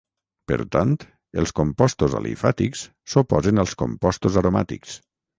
Per tant, els compostos alifàtics s'oposen als compostos aromàtics.